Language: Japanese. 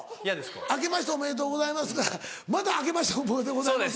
「あけましておめでとうございます」からまた「あけましておめでとうございます」の。